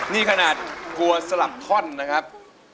นี่ขนาดกลัวสลับท่อนนะครับ